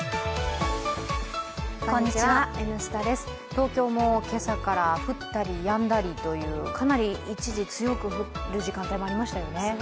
東京も今朝から降ったりやんだりというかなり一時強く降る時間帯、ありましたよね。